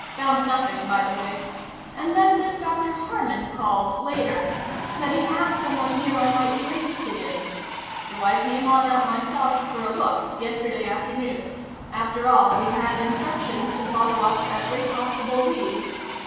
Found nothing, by the way. And then this Dr. Harman called, later. Said he had someone here I might be interested in. So I came on out myself for a look, yesterday afternoon after all, we had instructions to follow up every possible lead."